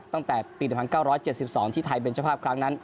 ตั้งแต่ปี๑๙๗๒ที่ไทยเป็นเจ้าภาพครั้งนั้น